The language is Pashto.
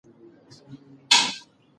آیا تاریخ په داستان کي ځای لري؟